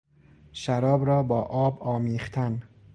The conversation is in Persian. شراب را با آب آمیختن